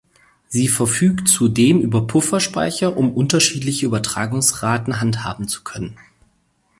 Sie verfügt zudem über Pufferspeicher, um unterschiedliche Übertragungsraten handhaben zu können.